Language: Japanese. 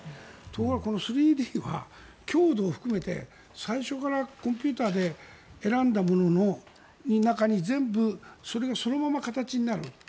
ところがこの３Ｄは強度を含めて最初からコンピューターで選んだものの中に全部それがそのまま形になる。